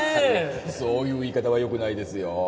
そういう言い方はよくないですよ